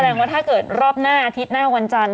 ว่าถ้าเกิดรอบหน้าอาทิตย์หน้าวันจันทร์